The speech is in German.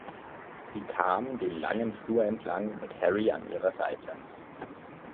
Sie kam den langen Flur entlang, mit Harry an ihrer Seite.